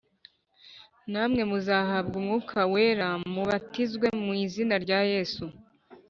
Namwe muzahabwa umwuka wera mubatizwe mu izina rya Yesu